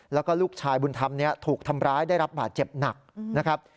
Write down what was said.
แล้วก็ลูกชายบุญธรรมถูกทำร้ายได้รับบาดเจ็บหนักนะครับ